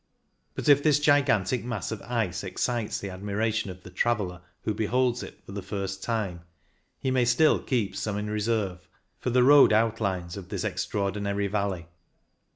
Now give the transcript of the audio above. But if this gigantic mass of ice excites the admiration of the traveller who be holds it for the first time, he may still keep some in reserve for the road outlines of this extraordinary valley.